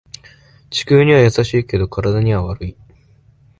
地球には優しいけど体には悪い